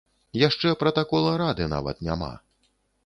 Яшчэ пратакола рады нават няма!